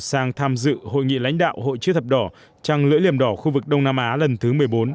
sang tham dự hội nghị lãnh đạo hội chữ thập đỏ trăng lưỡi liềm đỏ khu vực đông nam á lần thứ một mươi bốn